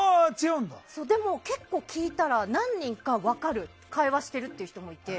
でも聞いたら、何人か分かる、会話してるって人もいて。